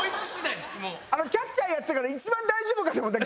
キャッチャーやってたから一番大丈夫かと思ったら。